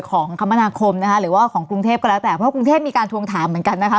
ของคามนาคมนะหรือว่าของกรุงเทพฯก็แล้วแต่เขาพูดให้มีการทวงถามเหมือนกันนะคะ